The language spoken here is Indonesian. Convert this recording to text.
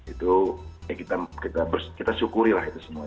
itu kita bersyukuri lah itu semua